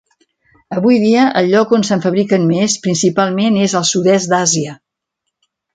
Avui dia el lloc on se'n fabriquen més principalment és el sud-est d'Àsia.